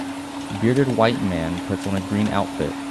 Bearded white man puts on a green outfit